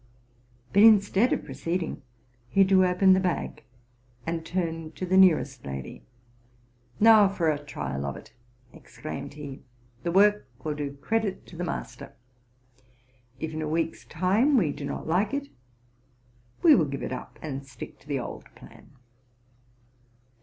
But, instead of proceeding, he drew open the bag, and turned to the nearest lady. '* Now for a trial of it!'' exclaimed he: '' the work will do credit to the master. If in a week's time we do not like it, we will give it up, and stick to the old plan.